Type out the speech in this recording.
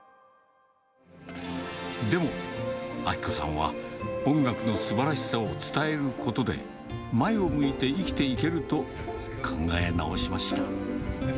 でも、明子さんは、音楽のすばらしを伝えることで、前を向いて生きていけると考え直しました。